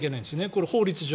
これ、法律上。